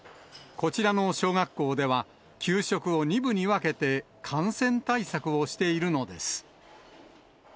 こちらの小学校では、給食を２部に分けて感染対策をしているのです。